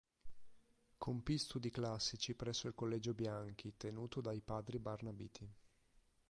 Compì studi classici presso il collegio Bianchi tenuto dai padri Barnabiti.